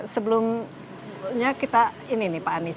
sebelumnya kita ini nih pak anies